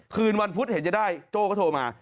คืนวันพุธเห็นจะได้โจ้ก็โทรมา